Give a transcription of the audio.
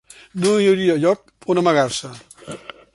No hi hauria lloc on amagar-se.